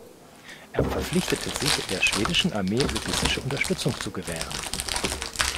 Er verpflichtete sich, der schwedischen Armee logistische Unterstützung zu gewähren.